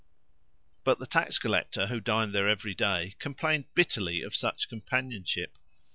But the tax collector, who dined there every day, complained bitterly of such companionship.